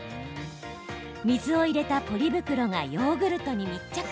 水を入れたポリ袋がヨーグルトに密着。